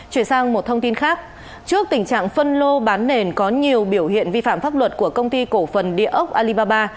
chuyển sang một thông tin khác trước tình trạng phân lô bán nền có nhiều biểu hiện vi phạm pháp luật của công ty cổ phần địa ốc alibaba